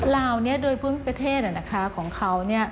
ลาวด้วยพฤมพิเศษของเขา